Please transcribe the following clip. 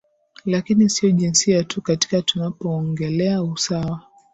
lakini sio jinsia tu katika tunapoongelea usawa